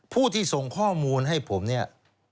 ผู้ที่ส่งข้อมูลให้ผมเนี่ย